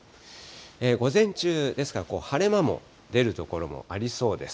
午前中、ですから晴れ間も出る所もありそうです。